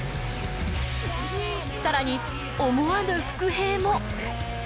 更に思わぬ伏兵も。